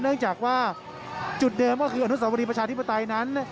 เนื่องจากว่าจุดเดิมก็คืออนุสาวรีประชาธิปไตยนั้น